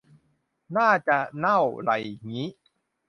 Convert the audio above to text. น่าจะ เน่าไรงี้